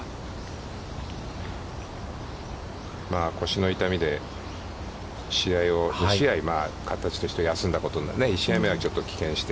腰の痛みで試合を、２試合、形として休んだことに、１試合目は棄権して。